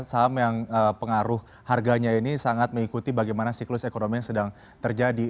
saham yang pengaruh harganya ini sangat mengikuti bagaimana siklus ekonomi yang sedang terjadi